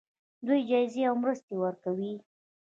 دوی جایزې او مرستې ورکوي.